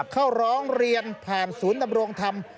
เข้าร้องเรียนผ่านศูนย์ดำรงธรรม